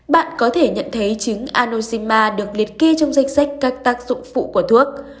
bạn có thể nhận thấy chứng anoxyma được liệt kê trong danh sách các tác dụng phụ của thuốc